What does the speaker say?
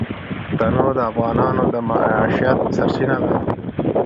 تنوع د افغانانو د معیشت سرچینه ده.